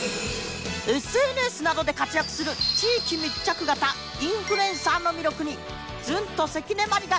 ＳＮＳ などで活躍する地域密着型インフルエンサーの魅力にずんと関根麻里が迫る！